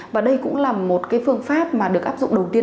và đây cũng là một phương pháp được áp dụng đầu tiên